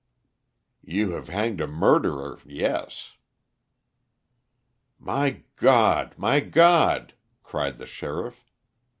"You have hanged a murderer yes." "My God! My God!" cried the sheriff.